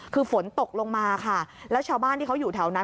คือฝนตกลงมาค่ะแล้วชาวบ้านที่เขาอยู่แถวนั้น